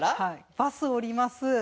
バス降ります。